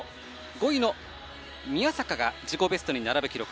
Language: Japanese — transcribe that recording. ５位の宮坂が自己ベストに並ぶ記録。